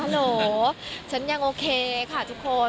โหลฉันยังโอเคค่ะทุกคน